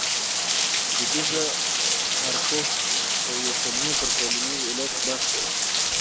دودیزه ارپوهه د یوې کلمې پر ټولنیز علت بحث کوي